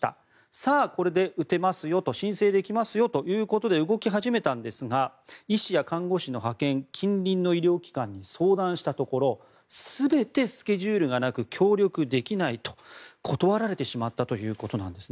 さあ、これで打てますよと申請できますよということで動き始めたんですが医師や看護師の派遣近隣の医療機関に相談したところ全てスケジュールがなく協力できないと断られてしまったということなんですね。